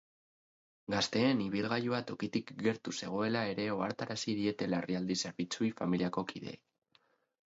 Gazteen ibilgailua tokitik gertu zegoela ere ohartarazi diete larrialdi zerbitzuei familiako kideek.